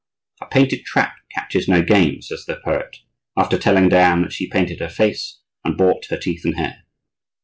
"A painted trap catches no game," says the poet, after telling Diane that she painted her face and bought her teeth and hair.